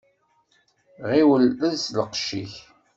Ɣiwel els lqecc-ik.